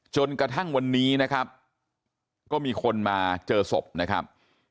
จนกระทั่งวันนี้นะครับก็มีคนมาเจอศพนะครับ